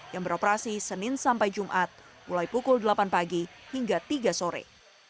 yang beroperasi senin sampai jumat mulai pukul delapan pagi hingga tiga sore